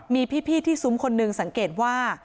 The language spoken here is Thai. มีพี่ที่ซุ้มคนหนึ่งสังเกตว่า